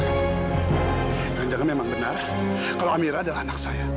jangan jangan memang benar kalau amira adalah anak saya